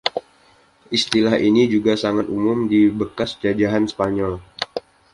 Istilah ini juga sangat umum di bekas jajahan Spanyol.